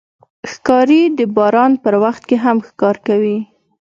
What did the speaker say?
ښکاري د باران په وخت کې هم ښکار کوي.